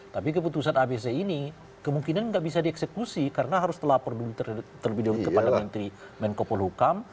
tapi keputusan abc ini kemungkinan tidak bisa dieksekusi karena harus telah terbidul kepada menteri menkopol hukam